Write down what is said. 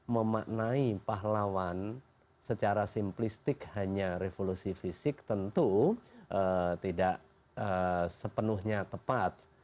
memaknai pahlawan secara simplistik hanya revolusi fisik tentu tidak sepenuhnya tepat